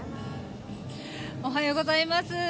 おはようございます。